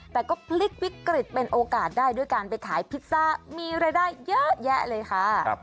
แต่ก็พลิกวิกฤตเป็นโอกาสได้ด้วยการไปขายพิซซ่ามีรายได้เยอะแยะเลยค่ะ